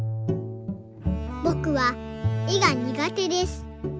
「ぼくは絵が苦手です。